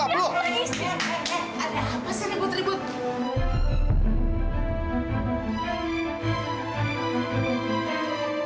omaris ada apa sih ribut ribut